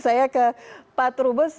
saya ke patro bus